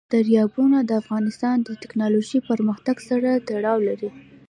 دریابونه د افغانستان د تکنالوژۍ پرمختګ سره تړاو لري.